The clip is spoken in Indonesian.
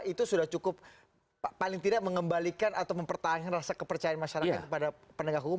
itu sudah cukup paling tidak mengembalikan atau mempertahankan rasa kepercayaan masyarakat kepada penegak hukum